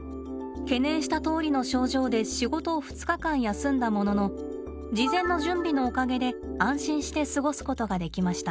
懸念したとおりの症状で仕事を２日間休んだものの事前の準備のおかげで安心して過ごすことができました。